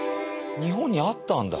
日本にあったんだ。